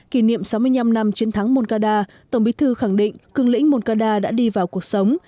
kỷ niệm sáu mươi năm năm chiến thắng moncada tổng bí thư khẳng định cường lĩnh moncada đã đi vào cuộc sống